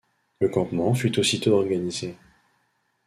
Le campement fut aussitôt organisé.